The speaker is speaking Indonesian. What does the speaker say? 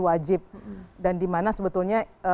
wajib dan di mana sebetulnya